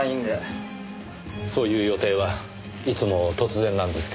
そういう予定はいつも突然なんですか？